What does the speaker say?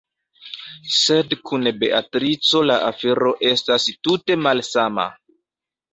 Sed kun Beatrico la afero estas tute malsama.